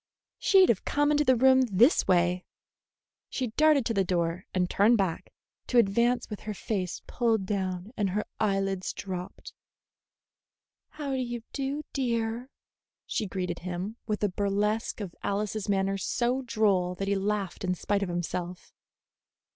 She'd have come into the room this way." She darted to the door and turned back, to advance with her face pulled down and her eyelids dropped. "How do you do, dear?" she greeted him, with a burlesque of Alice's manner so droll that he laughed in spite of himself.